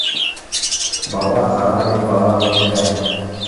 Бала ҡарай, бала үҫтерә.